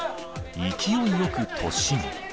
勢いよく突進。